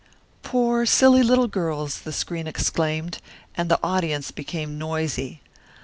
"Poor, silly little girls!" the screen exclaimed, and the audience became noisy.